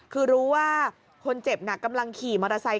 คือรู้ว่าคนเจ็บน่ะกำลังขี่มอเตอร์ไซค